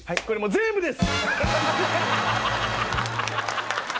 これも全部です